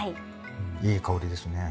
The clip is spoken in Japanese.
いい香りですね。